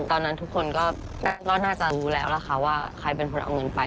ตอนนั้นทุกคนก็น่าจะรู้แล้วล่ะค่ะว่าใครเป็นคนเอาเงินไป